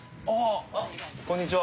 こんにちは。